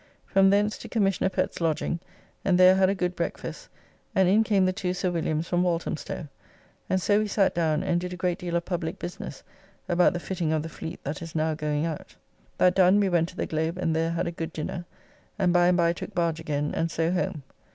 From thence to Commr. Pett's lodging, and there had a good breakfast, and in came the two Sir Wms. from Walthamstow, and so we sat down and did a great deal of public business about the fitting of the fleet that is now going out. That done we went to the Globe and there had a good dinner, and by and by took barge again and so home.